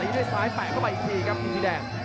ด้วยซ้ายแปะเข้าไปอีกทีครับพี่แดง